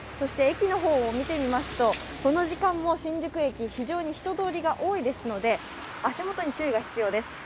駅の方を見てみますと、この時間も新宿駅、非常に人通りが多いですので足元に注意が必要です。